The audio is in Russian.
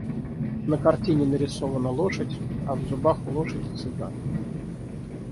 На картине нарисована лошадь, а в зубах у лошади цыган.